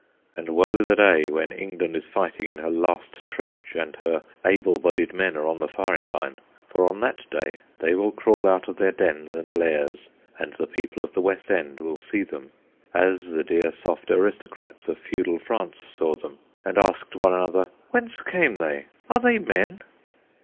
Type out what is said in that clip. And woe the day, when England is fighting in her last trench, and her able bodied men are on the firing line! For on that day they will crawl out of their dens and lairs, and the people of the West End will see them, as the dear soft aristocrats of Feudal France saw them and asked one another, "Whence came they?" "Are they men?"